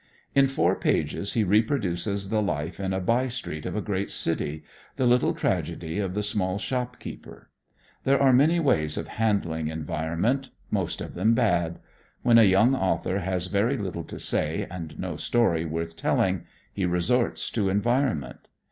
In four pages he reproduces the life in a by street of a great city, the little tragedy of the small shopkeeper. There are many ways of handling environment most of them bad. When a young author has very little to say and no story worth telling, he resorts to environment.